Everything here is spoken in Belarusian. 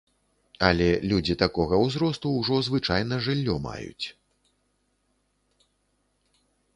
Але людзі такога ўзросту ўжо звычайна жыллё маюць.